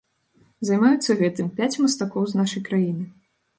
Займаюцца гэтым пяць мастакоў з нашай краіны.